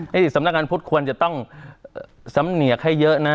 นี่สำนักงานพุทธควรจะต้องสำเนียกให้เยอะนะ